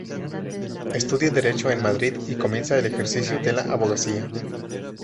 Estudia Derecho en Madrid y comienza el ejercicio de la abogacía.